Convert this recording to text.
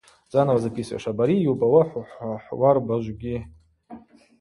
Абари йубауа хӏуарбажвгьи ауаъа йаухӏщтитӏта атшпсы, абари уара йшубаз апшта, йхӏызгӏахъанагылхитӏ.